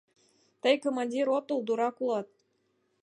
— Тый командир от ул, дурак улат!